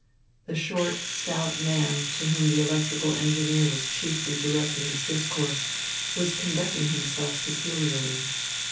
The short, stout man, to whom the electrical engineer was chiefly directing his discourse, was conducting himself peculiarly.